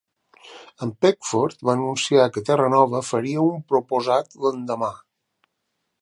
En Peckford va anunciar que Terranova faria una proposat l'endemà.